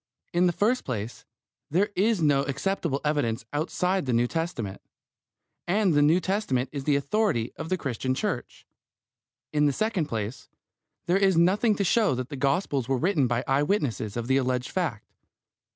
In the first place, there is no acceptable evidence outside the New Testament, and the New Testament is the authority of the Christian Church. In the second place, there is nothing to show that the Gospels were written by eye witnesses of the alleged fact.